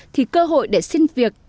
thì cơ hội để xin việc